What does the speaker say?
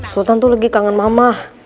sultan tuh lagi kangen mama